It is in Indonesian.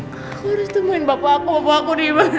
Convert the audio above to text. aku harus temuin papa aku papa aku di mana